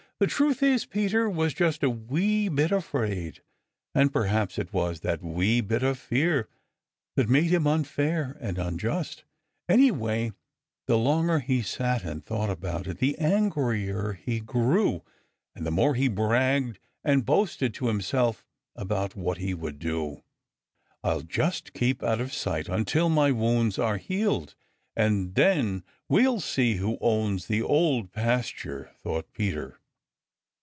The truth is, Peter was just a wee bit afraid. And perhaps it was that wee bit of fear that made him unfair and unjust. Anyway, the longer he sat and thought about it, the angrier he grew, and the more he bragged and boasted to himself about what he would do. "I'll just keep out of sight until my wounds are healed, and then we'll see who owns the Old Pasture!" thought Peter.